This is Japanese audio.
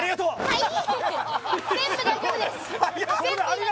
はい